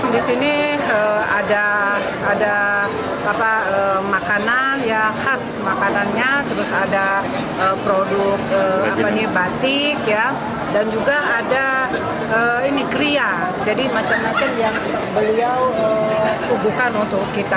di sini ada makanan khas produk batik dan juga ada kria jadi macam macam yang beliau subukan untuk kita